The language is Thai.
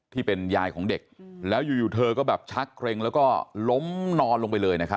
ที่เป็นยายของเด็กแล้วอยู่เธอก็แบบชักเกร็งแล้วก็ล้มนอนลงไปเลยนะครับ